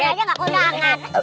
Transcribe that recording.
barang aja gak ke undangan